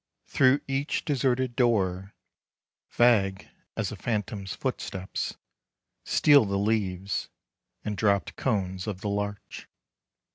Through each deserted door, Vague as a phantom's footsteps, steal the leaves, And dropped cones of the larch.